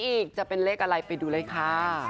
ลูกจะเลก๓พอละคะ